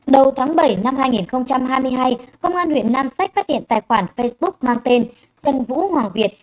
đầu tháng bảy năm hai nghìn hai mươi hai công an huyện nam sách phát hiện tài khoản facebook mang tên dân vũ hoàng việt